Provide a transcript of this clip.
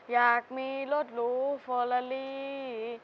อยากมีรถหรูฟอลาลี